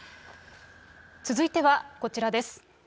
続いてはこちらです。